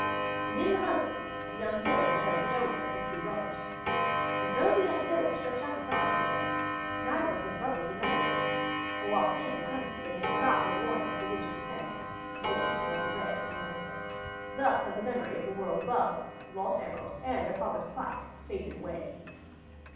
And in the husband the young sailor beheld the elder of his two brothers. And though the young sailor stretched out his arms to them, neither of his brothers remembered him, for while faint and hungry, they had forgotten the warning of the Witch of the Sands and had eaten of the bread of the under world. Thus had the memory of the world above, the lost emerald, and their father's plight faded away.